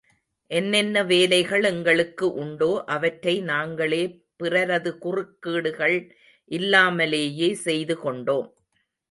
என்னென்ன வேலைகள் எங்களுக்கு உண்டோ அவற்றை நாங்களே பிறரது குறுக்கீடுகள் இல்லாமலேயே செய்து கொண்டோம்!